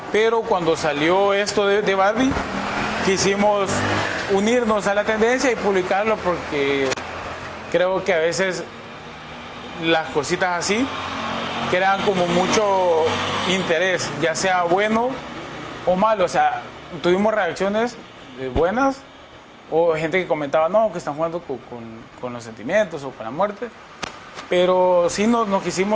pembeli beli akan tertarik